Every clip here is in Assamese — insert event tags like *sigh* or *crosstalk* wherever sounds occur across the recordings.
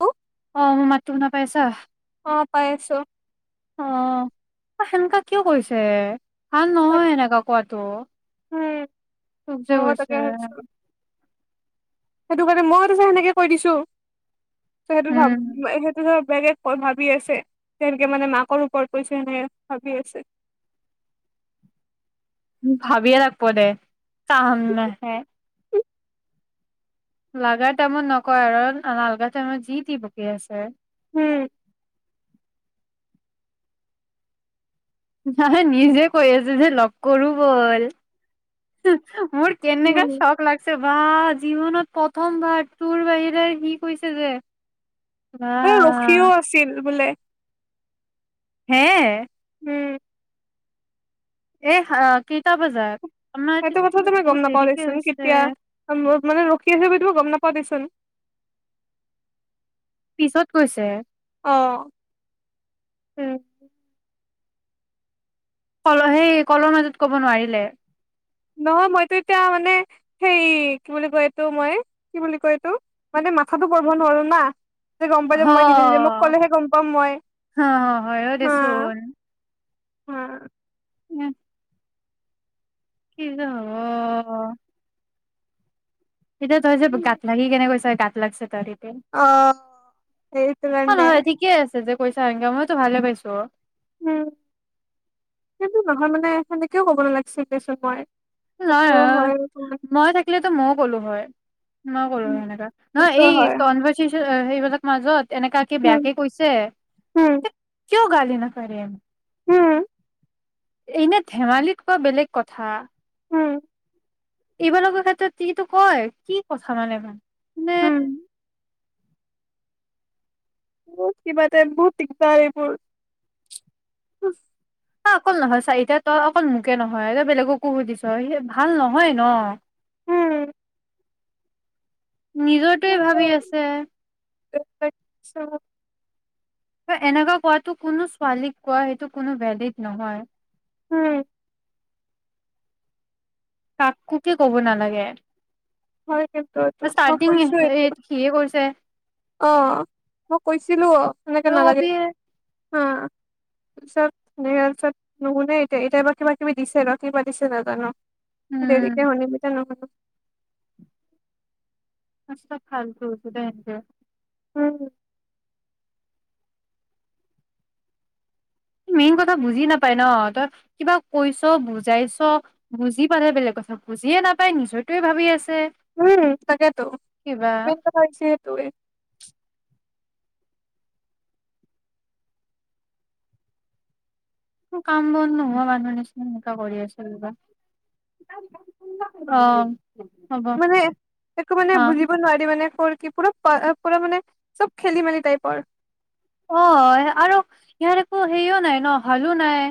হ অ মোৰ মাতটো শুনা পাই আছা অ পাই আছো অ সেনেকা কিয় কৰিছে ভাল তাক নহয় এনেককা কোৱাটো চ যে মইও গৈছে হেটো কাণে মইতোযে হেনেকে কৈ দিছো, তই হেটো ভাব উম হেটোহে বেলেগ ভাবি আছে, কেনকে মানে মাকৰ ওপৰত কৈছে হেনে ভাবি আছে। ভাবিয়ে থাকব দে, কাম নাহে। লাগা টাইমত নকয় আৰু নালগা টাইমত যি টি বকী আছে। হু। নাই নিজে কৈ আছো যে লগ কৰো ব'ল, মোৰ কেনেকা উম চখ লাগছে বা বা জীৱনত প্ৰথমবাৰ তোৰ বাহিৰে সি কৈছে যে বা এ ৰখিও আছিল বোলে। হে এ উম এহ আ কেইটা বজাত আমাৰ হেটো তেতিয়া কথাটো মই গম বহুত নাপাওঁ দেৰিকে দেচোন হৈছে কেতিয়া মোক মানে ৰখি আছে বুলি টো গম নাপ ক দেচোন। পিছত কৈছে। অ' উম কল', হেই কল' মাজত কব নোৱাৰিলে। নহয় মইতো এতিয়া মানে সেই কি বুলি কয় এটো মই, কি বুলি কয় এইটো মানে মাথাতো পৰব' নোৱাৰো না। গম পাই হ যে মই নিজে নিজে মোক ক'লেহে গম পাম মই, হ হয় অ হা। দেচোন হা উম কি যে হ'ব। এতিয়া তই যে গাত লাগি কেনে কৈছে-গাত লাগিছে তাইটি। অ', এইত অ ৰানডে। নহয় ঠিকে আছে যে কৈছা এনগে মইতো ভালে পাইছো। উম সেটো নহয় মানে সেনেকেও কব নালাগিছি দেছোন মই। নহয় সেইটোও হয় অ' অকমান মই থাকিলেতো ময়ো কলো হয়, মই কলো হয় হেনেকে, নহয় সেইটো এই হয় কনভাৰ্চিচ অ সেইবিলাক মাজত এনেকা কি উম বেয়াকে কৈছে? উম কিয় গালি নাফাৰে? হু। এনে ধেমালিত কোৱা বেলেগ কথা। হু। এইবিলাকৰ ক্ষেত্ৰত কিতো কয় কি কথা মানে বা। হু। বহুত কিবা দে, বহুত‌ দিগদাৰ এইবোৰ। অ' অকল নহয় চাৰিটা তই অকল মোকে নহয় তই বেলেগকো সুধিছ হেই ভাল নহয় ন। নিজৰটোৱে উম ভাবি আছে। অ' এনেকুৱা কোৱাতো কোনো ছোৱালীক কোৱা হেটো কোনো ভেলিড নহয়। হু। কাক কুকে কব নালাগে। হয় কিন্তু এইটো মই ষ্টাৰ্টিং কৈছো এইটো সিয়ে কৰিছে অ মই কৈছিলো অ সেনেকে তই নালাগে কবিয়ে বুলি হা চত নেহ চত নুশুনে এতিয়া এতিয়া ব কিবা কিবি দিছে ৰ কিবা দিছে নাজানো। দেৰি উম তে হনি মি তে নহব আ খালতছ ব একে উম মেইন কথা বুজি নাপাই ন তই কিবা কৈছ বুজাইছ বুজি পালে বেলেগ কথা বুজিয়ে নাপাই নিজয় টোয়ে ভাবি আছ উম তাকেতো ম পাইছ তো কাম বন নোহোৱা মানুহ নিচিনা এনেুৱা কৰি আছে ৰিবা অ হ'ব মানে একো মানে অ বুজিব নোৱাৰি মানে প কি পৰা পুৰা মানে চব খেলি মেলি তাই পৰ ইাৰে এক হেইও নাই ন হালো নাই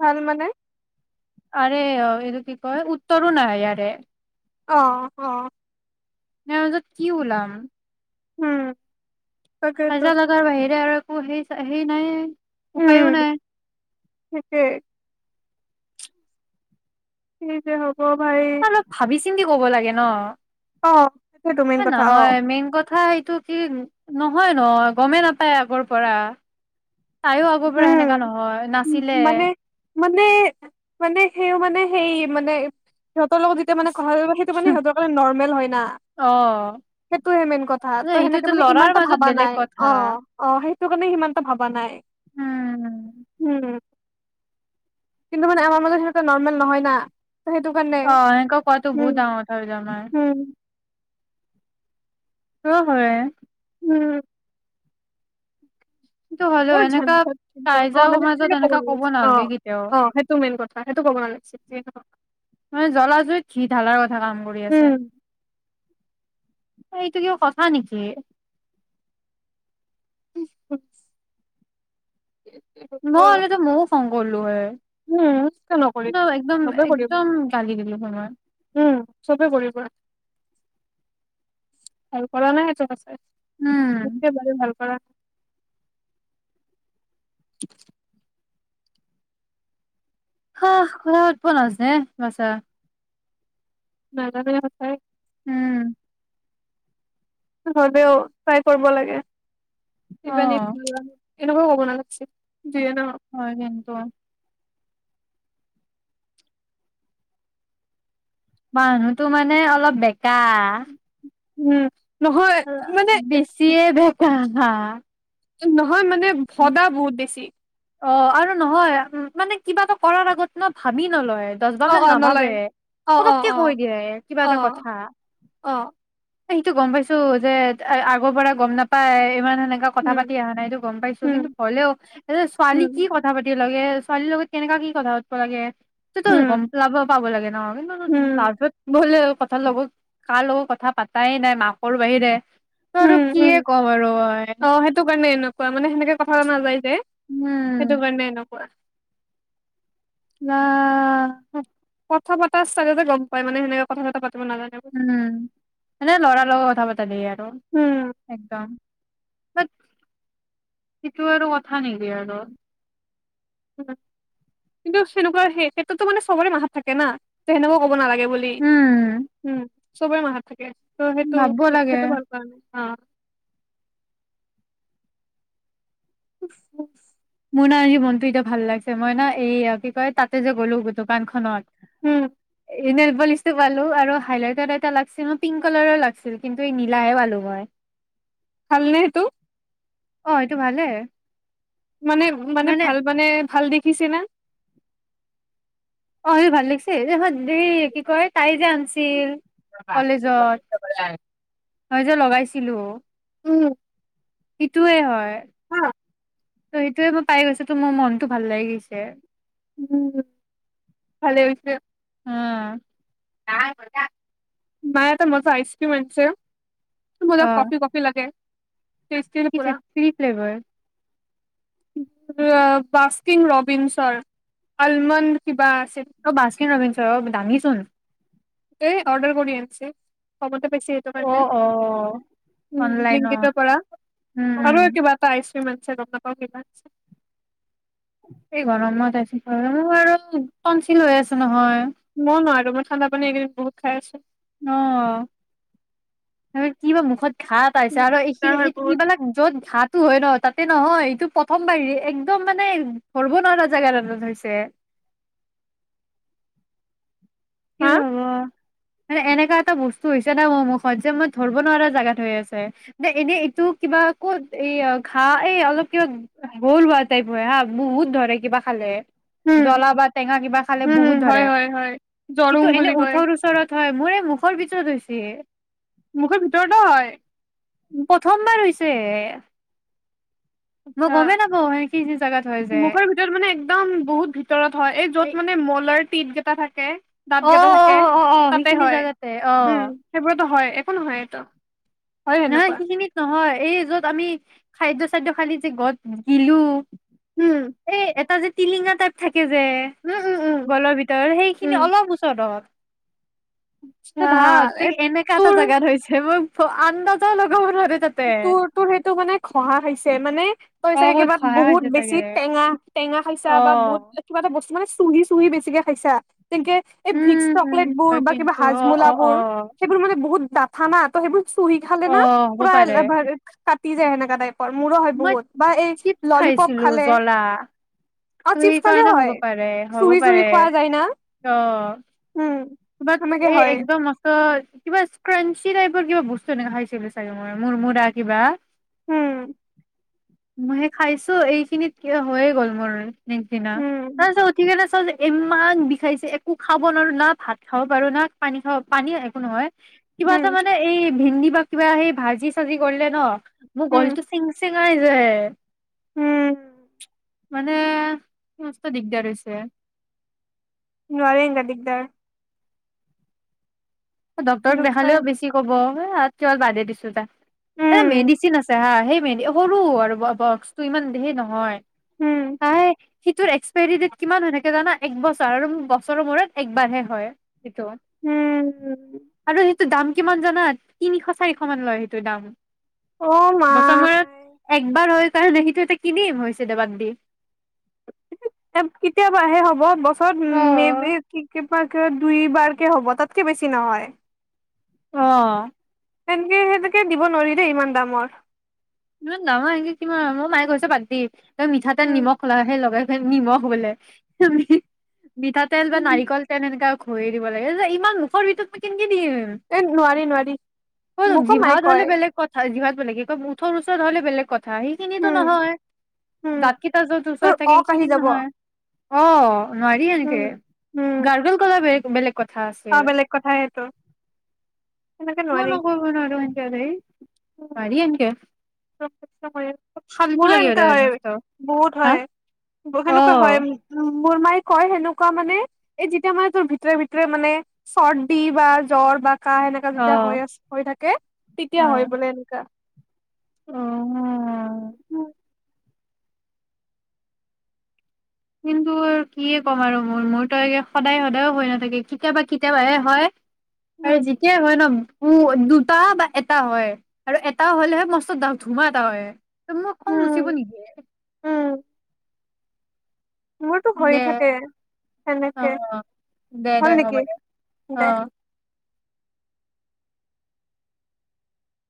ভাল মানে আৰে এইটো কি ক উত্তৰো নাই আৰে অ অ নাই অ ত কি ওলাম উম তাকেতো সাজা লগাৰ বাহিৰে আৰু অ সেই সেই নাই উপায়ো উম নাই থিকেই *unintelligible* যে হব অ ভাই অলপ ভাবি চিন্তি ক'ব লাগে ন অ সেইটোৱেতো স মেইন কথা অ নহয় মেইন কথা এইটো কি নহয় নহ গমেই নাপায় আগৰ পৰা তাইও আগৰ পৰা উম সেনেকা নহয়, নাছিলে। মানে মানে, মানে সেইও মানে সেই মানে সিহঁতৰ লগত যেতিয়া মানে, - কথাটো মানে, সেইটো মানে সিহঁতৰ কাৰণে নৰ্মেল হয় না অ সেইটোৱে মেইন কথা ত', সেনেকে সেইটোতো মানে লৰাৰ ইমানটা মাজত ভাবা বেলেগ নাই কথা অ', - অ ', সেইটো কাৰণে সিমানটা ভাবা নাই। উম উম', কিন্তু মানে আমাৰ মাজত সেনেকুৱা নৰ্মেল নহয় না। ত সেইটো কাৰণে অ', এনেকুৱা কৰাতো উম বহুত ডাঙৰ কথা হৈ যাই আমাৰ। উম তো হয়ে। উম', কিন্তু হলেও বৰ এনেকোৱা ঝঞ্ঝাত কিন্তু অ কাইজা মানে মাজত সেনেকে এনেকা কব নালাগিছিল অ নালগে কেতিয়াও। অ সেইটো মেইন কথা সেইটো ক'ব নালাগিছিল যিয়ে নহওক মানে জ্বলা- -জুইত ঘি ঢালাৰ কথা কাম কৰি আছে। উম এইটো কিবা কথা নেকি? *unintelligible* মই হলেটো মইও খাওঁ। পৰলোৱে। উম ', কিয় নকৰিবি চবেই কৰিব একদম গালি দিলো হয় মই। উম',। চবে কৰিব আৰু কৰা নাই এজন আছে। উম, *unintelligible* *inaudible* হা ', খোৱা আটব নাজনে বাছা। নাজানে সঁচায়ে। উম, এ, 'হলেও চাই কৰিব লাগে। ইমানে অ', সোধৰালো। এনেকোৱা কব নালাগছিল। হয় কিন্তু আন, মানুহতো মানে অলপ বেগ, কোৱা, উম', নহয় মানে বেছিয়ে বেঁকা না, *unintelligible* নহয় মানে ভদা বহুত বেছি। অ ', আৰু নহয় উম, মানে কিবা এটা কৰাৰ আগত ন', ভাবি নলয়। দচ বাৰ অ মান অ নলয় নাভাবে অ অ পটককে অ কৈ দিয়ে কিবা অ এটা কথা। অ সেইটো গম পাইছো যে, আগৰ পৰা গম নাপাই ইমান, এনেকা কথা পাতি উম আহা নাই এইটো গম পাইছো উম কিন্তু হলেও এইচ, পালি উম কি কথা পাতিম, একেলগে ছোৱালীৰ লগত কেনেকা কি কথা পাতব লাগে। উম সেইটোতো লাভ পাব লাগে ন কিন্তু উম লাভ হলে কথাৰ লগত কাৰ লগত কথা পাতাই নাই মাকৰ বাহিৰে ত আৰু উম কিয়ে উম ক'ম আৰু মই অ সেইটো কাৰণে এনেকুৱা মানে সেনেকে কথা নাযায় দে সেইটো উম কাৰণে এনেকুৱা অ কথা পাতা ষ্টাইলতে গম পায় মানে সেনেকে কথা পাতিলে উম এনে লৰাৰ উম লগত কথা পাতা দেই আৰু উম একদম সেইটো আৰু কথা নেকি আৰু কিন্তু সেনেকুৱা সেই ক্ষেত্ৰতো মানে চবৰে মা হত থাকে না সেনেকুৱা ক'ব নালাগে বুলি উম উম চবেই মা থাকে তো সেইটো ভাবব সেইটো লাগে সেইটো ভাল পোৱা নাই অঁ উম মোৰ ন আজি মনতো এতিয়া ভাল লাগিছে মই ন এইয়া আৰু কি কয় তাতে যে গ'লো দোকানখনত উম নবলিচটো পালো আৰু হাইলাইটাৰ এটা লাগছিল পিংক কালাৰো লাগিছিল কিন্তু এই নীলাহে পালোঁ হয় ভালনে সেইটো অ এইটো ভালে মানে মানে ভাল মানে ভাল দিশ দেখিছে না অ স ভাল লাগিছে দে দে কি কয় তাই যে আনছিল কলেজত *unintelligible* মই যে লগাইছিলো অ উম সেইটোয়ে হয় হ ত সেইটোয়ে মই পাই গৈছো তো মোৰ মনতটো ভাল লাগি গৈছে উম উম নাই আটা মাই এটা মজা আইচক্ৰীম আছে বজ অ কফি কফি লাগে কি থ্ৰী ফ্লেভাৰ বাস্কিন ৰবিনছৰ আলমণ্ কিবা অ' বাছ কিন ৰবিঞ্চ অ দামিচোন হ'ব বেছি সেইটো অ কাৰণে অ উম অনলাইনত লিংগিতৰ পৰা উম উম আৰু কিবা এটা আহিছে কিমান আছে গম নাপাও কিমান আছে এই গৰমত আছো মই আৰু *unintelligible* হৈ আছো নহয় মই নোৱাৰো মই ঠাণ্ডা পানী এইকদিন বহুত খাই আছো। অ। তি কি বা মুখত। ঘাট আছে আৰু তেনেকে দিগদাৰ এইখিনি হয় বহুত এইবিলাক য'ত ঘাট। টো হয় ন তাতে নহয় এইটো প্ৰথম বাহিৰে একদম মানে ধৰব নোৱাৰা জেগা এত হৈছে কি হা যে হব। মানে এনেকা এটা বস্তু হৈছে না মোৰ মুখত যে মই ধৰিব নোৱাৰা জেগাত হৈ আছে মান এনেই এইটো কিবা কত এই ঘাঁ এই অলপ কিবা গল হোৱা টাইপ হয় হা বহুত ধৰে কিবা খালে উম জ্বলা বা টেঙা কিবা খালে উম হম বহুত হয় ধৰে। হয় হয় কিন্তু জৰুং এনে বুলি কয় ওঠৰ ওচৰত হয় মোৰ এই মুখৰ ভিতৰত হৈছে মুখৰ ভিতৰতে হয়। প্ৰথমবাৰ হৈছে মই আচছা গমেই নাপাওঁ সেইখিনি জোগাত হয় যে মুখৰ ভিতৰত মানে একদম বহুত ভিতৰত হয় এই যত মানে মলাৰ। পীত গেইটা থাকে। অ দাঁত কেইটা অ থাকে অ অ তাতে সেইখিনি হয় জোগাতে অ উম সেইবোৰেতো হয়। একো নহয় হেতো নহয় সেইখিনিত নহয়। এই য'ত আমি খাদ্য চাদ্য খালি যে গত গিলো উম এই এটা যে টিলিঙা টাইপ থাকে। যে উম উম উম গলৰ ভিতৰত সেইখিনি উম অলপ ওচৰত অ। আচ্ছা ত ভাব এই তোৰ এনেকা এটা তোৰ জেগাত হৈছে মই থ আন্দাজৰ লগ তোৰ তোৰ সেইটো মানে ঘহা খাইছে মানে তই অ চাগে কিবা খহা বহুত হৈছে বেছি চাগে টেঙা টেঙা খাইছা অ বা বহুত কিবা এটা বস্তু মানে। চুহি চুহি বেছিকে খাইছা। তেনেকে এই ভিক্স উম চকলেট বোৰ হয় বা কিবা কিন্তু অ অ অ হাজমোলাবোৰ সেইবোৰ মানে বহুত দ *unintelligible* তো সেইবোৰ চুহি খালে অ না হ'ব পাৰে *unintelligible* কাটি যায় সেনেকা টাইপ মোৰো হয় মই বহুত বা এই চিপছ ললিপপ খাইছিলো খালে জ্বলা অ ত চিপছ সেই খালে কাৰণে হয় হ'ব পাৰে হ'ব চুহি চুহি পাৰে খোৱা যায় না ত উম সেনেকে তমাত এই হয় একদমচত কিবা স্কেৰেঞ্চি টাইপ কিবা বস্তু এনেক খাইছে বুলি চাগে মই মোৰ দ্বাৰা কিবা উম মইহে খাইছো এইখিনিত কিয় হৈয়ে গ'ল মোৰ কেণ্টিনত উম তাৰ পিছত উঠি কেনে যে ইমান বিষাইছে একো খাব নোৱাৰো না ভাত খাব পাৰো না পানী খাওঁ পানী একো নহয় কিবা এটা উম মানে এই ভেন্দি কিবা কিবা সেই ভাজি চাজি কৰিলে ন মোৰ উম গলটো চিংচে চেঙাই যায় *inaudible* উম মানে মস্ত দিগদাৰ হৈছে *unintelligible* দিগদাৰ ডক্টৰক দুখ পাই দেখালেও বেছি কব *unintelligible* বাদে দিছো দা এ উম মেডিচিন আছে হা সেই মে সৰু আৰু বক্সটো ইমান ধেৰ নহয় উম, হ সিটোৰ এক্সপায়ৰী ডেট কিমান হৈ থাকে জানা এক বছৰ আৰু বছৰৰ মূৰত একবাৰ হে হয় সেইটো উম, আৰু টো দামটো দাম কিমান জানা? তিনিশ-চাৰিশমান লয় সেইটো দাম। অ' বছৰৰ মাই। মূৰত একবাৰ হৈ। *unintelligible* এটা কিনিম হৈছে দে বান দি কেতিয়াবাহে হ'ব। বছৰত অ মেই বি কি বা কে দুইবাৰকেই হ'ব তাতকে বেছি নহয়। অহ ', সেনেকে-সেনেকে দিব নোৱাৰি, দেই ইমান দামত। ইমান নহয়। সেইটোত কিমান মই মায়ে কৈছে বাদ দি। তই মিঠা তেল উম, নিমখ লৈ সে লগাই। নিমখ বোলে মিঠা তেল বা উম, নাৰিকল তেল সেনেকে ঘহি দিব লাগে যে ইমান মুখৰ ভিতৰত কেন কে দিম? এ নোৱাৰি নোৱাৰি। অকল মোকো মায়ে জিভাত হ'লে কয় বেলেগ কথা। জিভাত বেলেগে কৈ মোৰ। ঘৰ ওচৰত হ'লে বেলেগ কথা। যা, সেইখিনিটো উম, নহয়। উম, দাঁতকেইটা যত তোৰ ওচৰত থাকে অক আহি সেইখিনিত যাব নহয়। অ নোৱাৰি উম। এনেকে গাৰ্গল কৰা বেলেগ টো বেলেগ কথা আছিল অহ', বেলেগ কথাই সেইটো। সেনেকে কিয় নোৱাৰি। নকয় কথাটো এনকে ৰে? পাৰি এনকে। কষ্ট কৰে। ফাল্টু মোৰো লাগে এনেকুৱা সদায় হয় মস্ত বহুত হা হয়। অ সেনেকুৱা হয় মো মোৰ মায়ে কয় সেনেকুৱা মানে এই যেতিয়া মানে তোৰ ভিতৰে-ভিতৰে মানে চৰ্দি বা জ্বৰ বা কাহ, এনেকা অ যেতিয়া হৈ আছে, হৈ থাকে, তেতিয়া হয় অ বোলে, এনেকা। অ *inaudible* কিন্তু, কি ক'ম আৰু মোৰ -মোৰতো একে সদায়-সদায়ো হৈ নাথাকে। কেতিয়াবা-কেতিয়াবাহে হয়। সেই উম যেতিয়াই হয় ন। উম ', দুটা বা এটা হয়। আৰু, এটা হ'লেহে মস্ত ডাউট ধুমা এটা হয়। ত', মই কম, মচিব উম নিদিয়ে উম মোৰতো দে হৈয়েই থাকে। অ সেনেকে দে দে হ'ল হ'ব নেকি, দে অ দে?